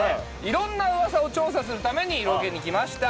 いろんなウワサを調査するためにロケに来ました。